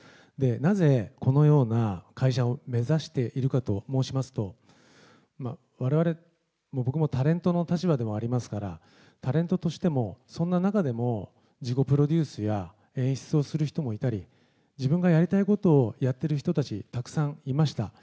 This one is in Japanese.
なぜこのような会社を目指しているかと申しますと、われわれ、僕もタレントの立場でもありますから、タレントとしてもそんな中でも自己プロデュースや演出をする人もいたり、自分がやりたいことをやってる人たち、たくさんいました。